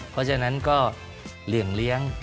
เพราะฉะนั้นก็เหลี่ยงเลี้ยง